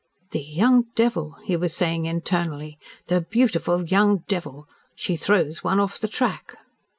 "The young devil," he was saying internally. "The beautiful young devil! She throws one off the track."